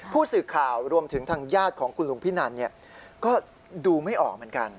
ผู้สื่อข่าวรวมถึงทางญาติของคุณลุงพินันก็ดูไม่ออกเหมือนกัน